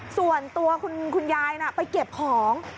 ส่วนตัวคุณยายไปเก็บของ